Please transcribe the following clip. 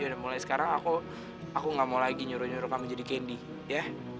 ya udah mulai sekarang aku gak mau lagi nyuruh nyuruh kamu jadi candy